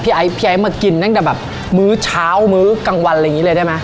ไอ้พี่ไอ้มากินตั้งแต่แบบมื้อเช้ามื้อกลางวันอะไรอย่างนี้เลยได้ไหม